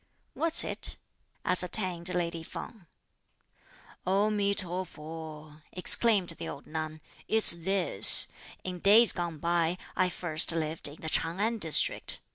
"What's it?" ascertained lady Feng. "O mi to fu!" exclaimed the old nun, "It's this; in days gone by, I first lived in the Ch'ang An district.